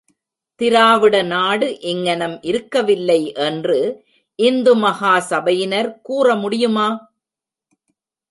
திராவிட நாடு இங்ஙனம் இருக்கவில்லை என்று இந்து மகா சபையினர் கூற முடியுமா?